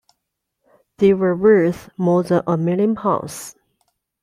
They were worth more than a million pounds.